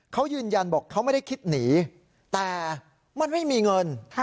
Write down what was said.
เขายืนยันบอกเขาไม่ได้คิดหนีแต่มันไม่มีเงิน